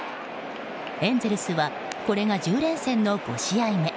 エンゼルスはこれが１０連戦の５試合目。